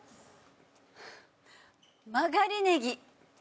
曲がりねぎ。